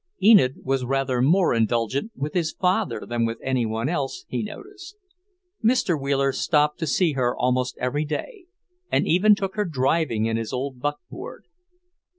Enid was rather more indulgent with his father than with any one else, he noticed. Mr. Wheeler stopped to see her almost every day, and even took her driving in his old buckboard.